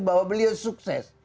bahwa beliau sukses